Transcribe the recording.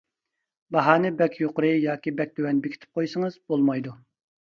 باھانى بەك يۇقىرى ياكى بەك تۆۋەن بېكىتىپ قويسىڭىز بولمايدۇ.